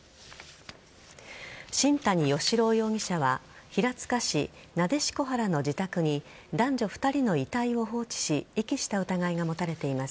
新谷嘉朗容疑者は平塚市撫子原の自宅に男女２人の遺体を放置し遺棄した疑いが持たれています。